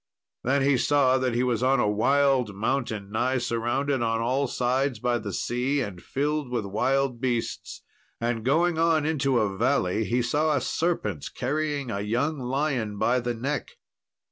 Then he saw that he was on a wild mountain, nigh surrounded on all sides by the sea, and filled with wild beasts; and going on into a valley, he saw a serpent carrying a young lion by the neck.